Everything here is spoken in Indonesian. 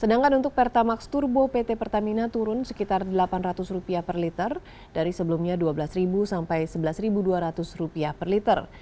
sedangkan untuk pertamax turbo pt pertamina turun sekitar rp delapan ratus per liter dari sebelumnya rp dua belas sampai rp sebelas dua ratus per liter